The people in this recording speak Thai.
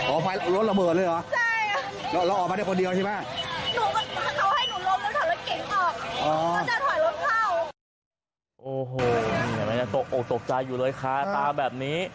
โอ้โหเห็นไหมนะตกออกตกใจอยู่เลยค่ะตาแบบนี้